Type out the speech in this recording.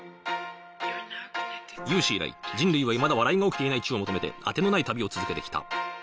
有史以来、人類はいまだ笑いが起きていない地を求めて、当てのない旅を続けてきた。